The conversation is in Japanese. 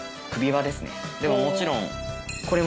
でももちろん。